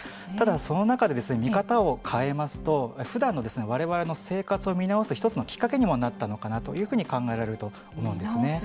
ただ、その中で見方を変えますとふだんのわれわれの生活を見直す一つのきっかけにもなったのかなというふうに考えられると思うんですね。